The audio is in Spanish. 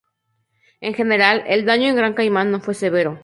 En general, el daño en Gran Caimán no fue severo.